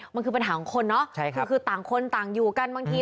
มันคือปัญหาของคนเนาะคือต่างคนต่างอยู่กันบางที